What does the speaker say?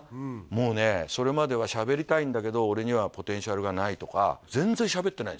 もうねそれまではしゃべりたいんだけど俺にはポテンシャルがないとかえっ？